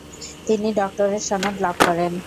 তিনি ডক্টরেট সনদ লাভ করেন।